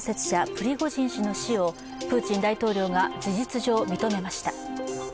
プリゴジン氏の死をプーチン大統領が事実上認めました。